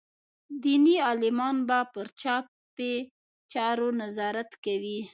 دیني عالمان به پر چاپي چارو نظارت کوي.